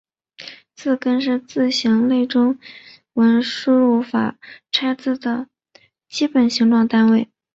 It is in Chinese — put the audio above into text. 字根是字形类中文输入法拆字的基本形状单位。